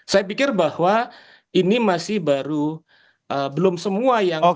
saya pikir bahwa ini masih baru belum semua yang